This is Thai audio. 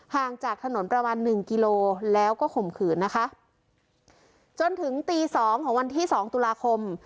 ห่างจากถนนประมาณหนึ่งกิโลแล้วก็ข่มขืนนะคะจนถึงตีสองของวันที่สองตุลาคม